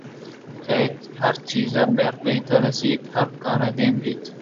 کئے ءَ ہر چیز بہر بیت ءُ رسیت ءُ ہر کار ءَ دیما بیت